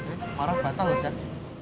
eh marah batal lojak